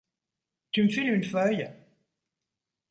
Tu m'files une feuille ?